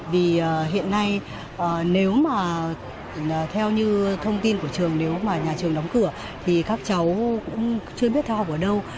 vì hiện nay nếu mà theo như thông tin của trường nếu mà nhà trường đóng cửa thì các cháu cũng chưa biết theo học ở đâu